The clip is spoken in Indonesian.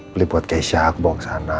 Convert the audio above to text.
beli buat keisha aku bawa ke sana